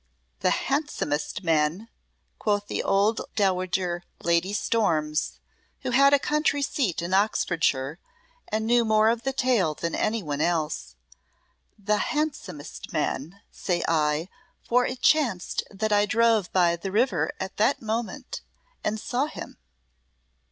"The handsomest man," quoth the old Dowager Lady Storms, who had a country seat in Oxfordshire and knew more of the tale than any one else. "The handsomest man, say I, for it chanced that I drove by the river at that moment and saw him."